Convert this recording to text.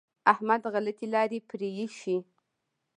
احمد غلطې لارې پرېښې.